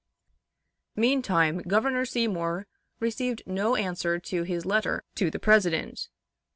Meantime Governor Seymour received no answer to his letter to the President.